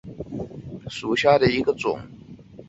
绿棱点地梅为报春花科点地梅属下的一个种。